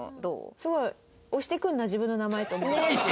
すごい押してくるなあ自分の名前と思います。